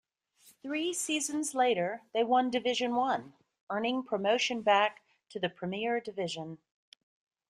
Three seasons later they won Division One, earning promotion back to the Premier Division.